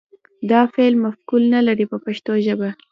دا فعل مفعول نه لري په پښتو ژبه.